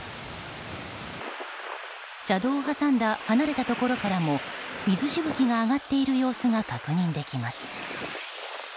車道を挟んだ離れたところからも水しぶきが上がっている様子が確認できます。